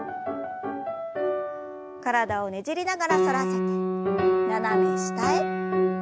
体をねじりながら反らせて斜め下へ。